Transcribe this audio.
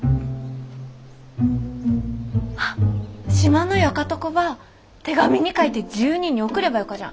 あっ島のよかとこば手紙に書いて１０人に送ればよかじゃん。